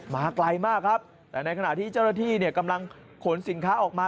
มาไกลมากครับแต่ในขณะที่เจ้าหน้าที่กำลังขนสินค้าออกมา